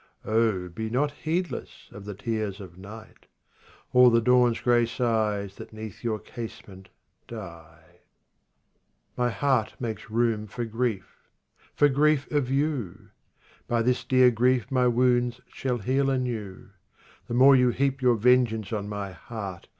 Oh be not heedless of the tears of night, Or the dawn's grey sighs that 'neath your case ment die. 18 My heart makes room for grief â for grief of you. By this dear grief my wounds shall heal anew. The more you heap your vengeance on my heart.